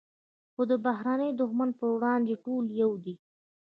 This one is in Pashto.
خو د بهرني دښمن پر وړاندې ټول یو دي.